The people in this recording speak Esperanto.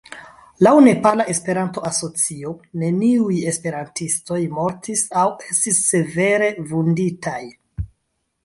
Laŭ Nepala Esperanto-Asocio neniuj esperantistoj mortis aŭ estis severe vunditaj.